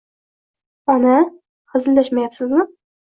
— Ona, hazillashmayapsizmi?